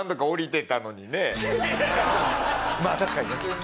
まあ確かにね。